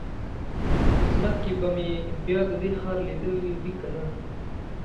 قسمت کې به مې بیا د دې ښار لیدل وي کنه.